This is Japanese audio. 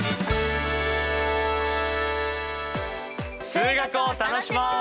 数学を楽しもう！